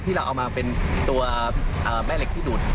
เราเอามาเป็นตัวแม่เหล็กที่ดูด